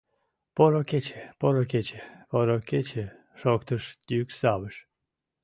— Поро кече... поро кече... поро кече... — шоктыш йӱксавыш.